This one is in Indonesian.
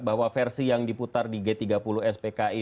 bahwa versi yang diputar di g tiga puluh spki